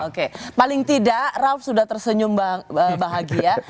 oke paling tidak raff sudah tersenyum bahagia